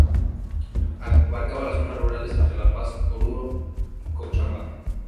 Abarcaba las zonas rurales entre La Paz, Oruro y Cochabamba.